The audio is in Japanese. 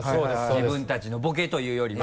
自分たちのボケというよりは。